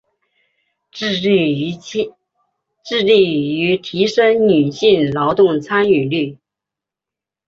致力於提升女性劳动参与率